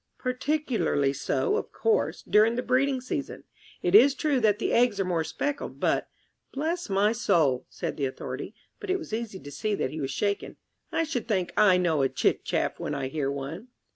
"particularly so, of course, during the breeding season. It is true that the eggs are more speckled, but " "Bless my soul," said the Authority, but it was easy to see that he was shaken, "I should think I know a Chiff chaff when I hear one."